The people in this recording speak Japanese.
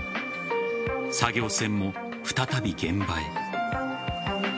作業船も再び現場へ。